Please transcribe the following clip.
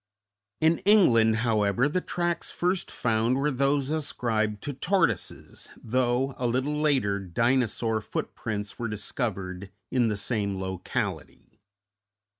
In England, however, the tracks first found were those ascribed to tortoises, though a little later Dinosaur footprints were discovered in the same locality.